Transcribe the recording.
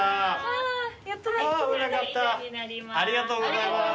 ありがとうございます。